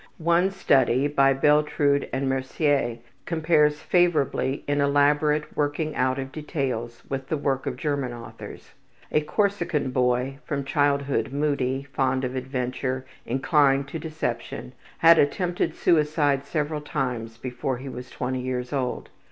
One study by Belletrud and Mercier compares favorably in elaborate working out of details with the work of German authors. A Corsican boy, from childhood moody, fond of adventure, inclined to deception, had attempted suicide several times before he was twenty years old.